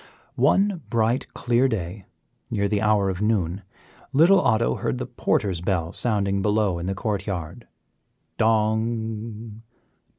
One bright, clear day, near the hour of noon, little Otto heard the porter's bell sounding below in the court yard dong!